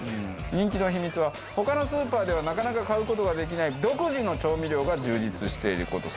人気の秘密は他のスーパーではなかなか買う事ができない独自の調味料が充実している事。